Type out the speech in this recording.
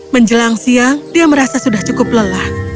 menjelang siang dia merasa sudah cukup lelah